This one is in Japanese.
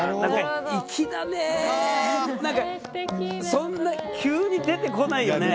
そんな急に出てこないよね？